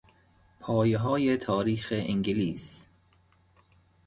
پایههای تاریخ انگلیس